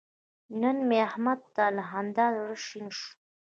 نن مې احمد ته له خندا زړه شین شو.